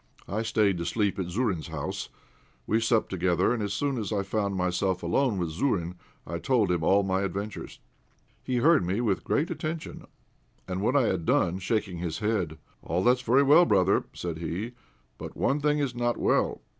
I stayed to sleep at Zourine's house. We supped together, and as soon as I found myself alone with Zourine, I told him all my adventures. He heard me with great attention, and when I had done, shaking his head "All that's very well, brother," said he, "but one thing is not well.